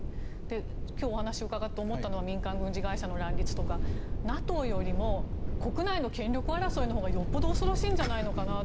今日お話を伺って思ったのは民間軍事会社の乱立とかＮＡＴＯよりも国内の権力争いのほうがよっぽど恐ろしいんじゃないのかなと。